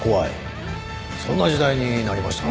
そんな時代になりましたなあ。